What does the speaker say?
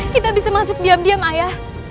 kita bisa masuk diam diam ayah